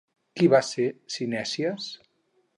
Qui va ser Cinèsies?